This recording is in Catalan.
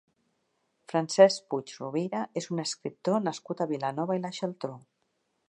Francesc Puig Rovira és un escriptor nascut a Vilanova i la Geltrú.